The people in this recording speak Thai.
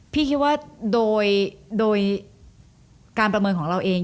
พี่คิดว่าโดยการประเมินของเราเอง